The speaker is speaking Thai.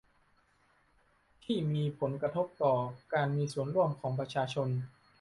ที่มีผลกระทบต่อการมีส่วนร่วมของประชาชน